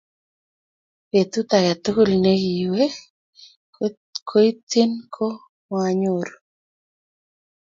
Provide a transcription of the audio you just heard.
betut age tugul nekowe kotnyin, ko moonyoru